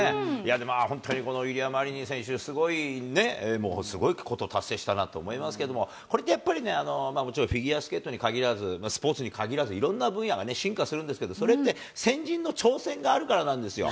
でも本当にこのイリア・マリニン選手、すごいことを達成したなと思いますけれども、これってやっぱりね、もちろんフィギュアスケートにかぎらず、スポーツにかぎらず、いろんな分野が進化するんですけど、それって先人の挑戦があるからなんですよ。